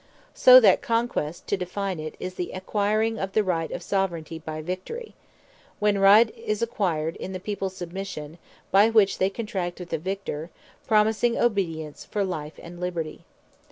So that Conquest (to define it) is the Acquiring of the Right of Soveraignty by Victory. Which Right, is acquired, in the peoples Submission, by which they contract with the Victor, promising Obedience, for Life and Liberty.